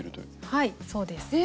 はいそうです。え